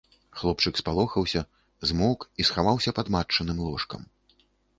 Хлопчык спалохаўся, змоўк і схаваўся пад матчыным ложкам.